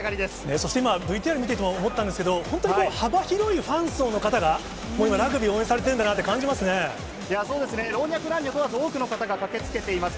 そして今、ＶＴＲ見ていても思ったんですけど、本当にこう幅広いファン層の方がもう今、ラグビー応援されてるんいや、そうですね、老若男女問わず、多くの方が駆けつけています。